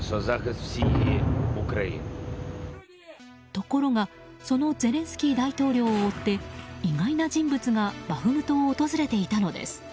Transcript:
ところがそのゼレンスキー大統領を追って意外な人物がバフムトを訪れていたのです。